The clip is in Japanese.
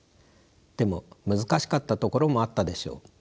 でも難しかったところもあったでしょう。